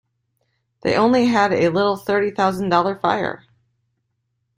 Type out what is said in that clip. They only had a little thirty thousand dollar fire.